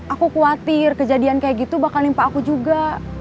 aku khawatir kejadian kayak gitu bakal nimpa aku juga